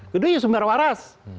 kedua ya sumber waras